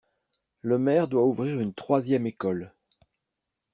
Le maire doit ouvrir une troisième école.